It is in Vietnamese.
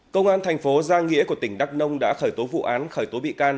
công an thành phố giang nghĩa của tỉnh đắk nông đã khởi tố vụ án khởi tố bị can